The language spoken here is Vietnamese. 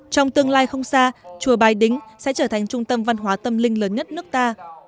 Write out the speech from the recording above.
trong tương lai không xa chùa bái đính sẽ trở thành trung tâm văn hóa tâm linh lớn nhất nước ta